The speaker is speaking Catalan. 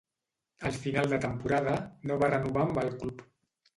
Al final de temporada, no va renovar amb el club.